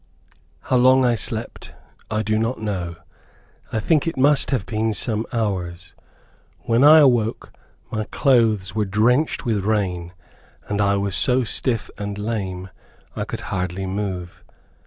How long I slept, I do not know. I think it must have been some hours. When I awoke, my clothes were drenched with rain, and I was so stiff and lame, I could hardly move.